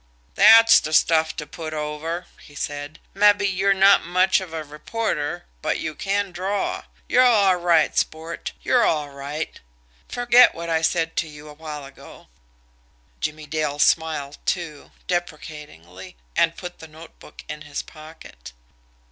"That's the stuff to put over," he said. "Mabbe you're not much of a reporter, but you can draw. Y're all right, sport y're all right. Forget what I said to you a while ago." Jimmie Dale smiled too deprecatingly. And put the notebook in his pocket.